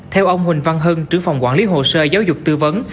theo ông huỳnh văn hân trưởng phòng quản lý hồ sơ giáo dục tư vấn